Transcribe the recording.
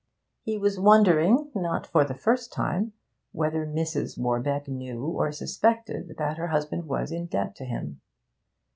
He was wondering, not for the first time, whether Mrs. Warbeck knew or suspected that her husband was in debt to him.